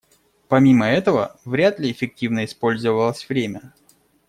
Помимо этого, вряд ли эффективно использовалось время.